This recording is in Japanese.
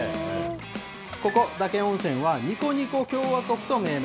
ここ、岳温泉は、ニコニコ共和国と命名。